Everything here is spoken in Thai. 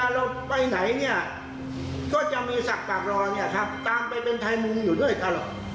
ก็จะมีศักดิ์ปากรอเนี่ยครับตามไปเป็นไทยมุมอยู่ด้วยครับ